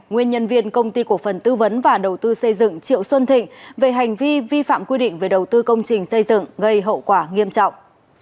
nguyên nhân viên công ty cổ phần tư vấn và đầu tư xây dựng triệu xuân thịnh về hành vi vi phạm quy định về đầu tư công trình xây dựng gây hậu quả nghiêm trọng